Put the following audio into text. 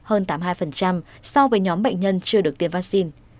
hơn tám mươi hai so với nhóm bệnh nhân chưa được tiêm vaccine